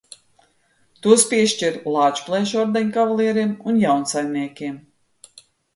Tos piešķir Lāčplēša ordeņa kavalieriem un jaunsaimniekiem.